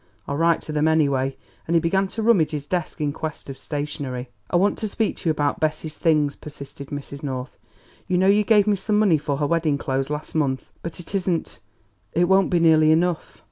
I'll write to them anyway." And he began to rummage his desk in quest of stationery. "I wanted to speak to you about Bessie's things," persisted Mrs. North. "You know you gave me some money for her wedding clothes last month; but it isn't it won't be nearly enough."